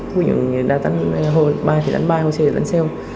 có những người đa tánh hôi bài thì đánh bài hôi xe thì đánh xeo